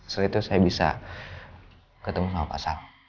setelah itu saya bisa ketemu sama pak sam